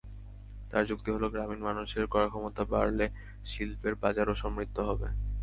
তাঁর যুক্তি হলো, গ্রামীণ মানুষের ক্রয়ক্ষমতা বাড়লে শিল্পের বাজারও সমৃদ্ধ হবে।